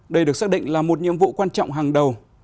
đây được xác định là một nhiệm vụ quan trọng hàng đầu